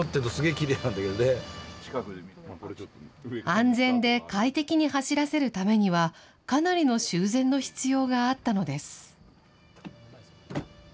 安全で快適に走らせるためには、かなりの修繕の必要があったのです。